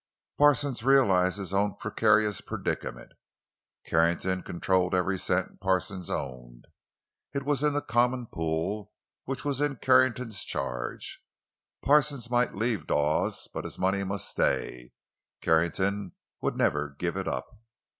Parsons realized his own precarious predicament. Carrington controlled every cent Parsons owned—it was in the common pool, which was in Carrington's charge. Parsons might leave Dawes, but his money must stay—Carrington would never give it up.